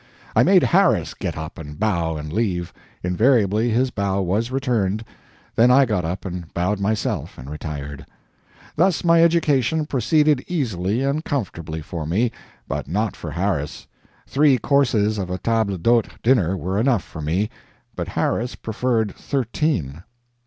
I made Harris get up and bow and leave; invariably his bow was returned, then I got up and bowed myself and retired. Thus my education proceeded easily and comfortably for me, but not for Harris. Three courses of a table d'hôte dinner were enough for me, but Harris preferred thirteen.